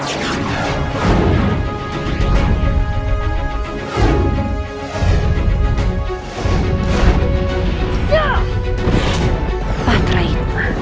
untuk selamatkan patra hikmah